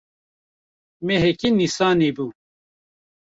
Meheke Nîsanê bû.